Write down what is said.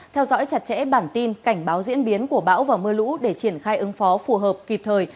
theo dõi chặt chẽ bản tin cảnh báo diễn biến của bão và mưa lũ để triển khai ứng phó phù hợp kịp thời